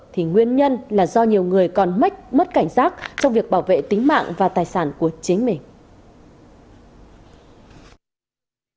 thì nguyên nhân là do nhiều người còn mất mất cảnh giác trong việc bảo vệ tính mạng và tài sản của chính mình